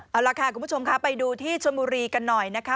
เอาล่ะค่ะคุณผู้ชมค่ะไปดูที่ชนบุรีกันหน่อยนะคะ